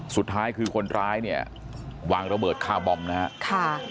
สุดท้ายคือคนร้ายเนี่ยวางระเบิดคาร์บอมนะฮะค่ะ